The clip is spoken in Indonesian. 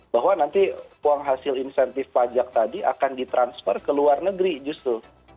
bahwa nanti uang hasil insentif pajak tadi akan ditransfer ke luar negeri justru